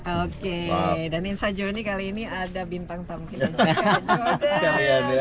oke dan inshajo ini kali ini ada bintang tamu kita juga